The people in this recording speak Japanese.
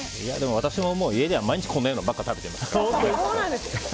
私も家では毎日このようなものばかり食べてますから。